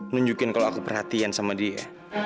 nunjukin kalau aku perhatian sama dia